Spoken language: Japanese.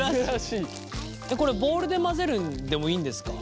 これボウルで混ぜるでもいいんですか？